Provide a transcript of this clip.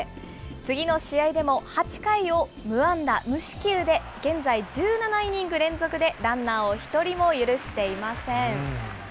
次の試合でも８回を無安打無四球で現在、１７イニング連続でランナーを１人も許していません。